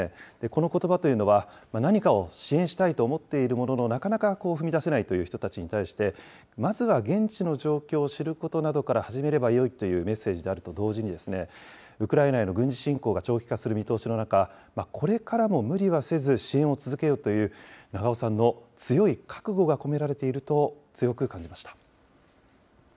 このことばというのは、何かを支援したいと思っているものの、なかなか踏み出せないという人たちに対して、まずは現地の状況を知ることなどから始めればよいというメッセージであると同時に、ウクライナへの軍事侵攻が長期化する見通しの中、これからも無理はせず支援を続けようという、長尾さんの強い覚悟が込められていると、強く感じました。